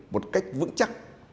một cách vững chắc